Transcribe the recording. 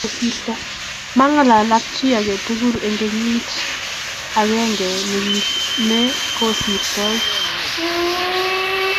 mang'alan ak chi age tugul eng' kenyit agenge ne kosirto